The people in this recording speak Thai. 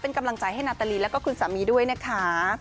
เป็นกำลังใจให้นาตาลีแล้วก็คุณสามีด้วยนะคะ